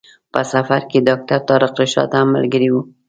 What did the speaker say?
په سفر کې ډاکټر طارق رشاد هم ملګری و.